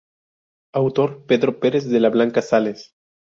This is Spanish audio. Autor.Pedro Perez de la Blanca Sales.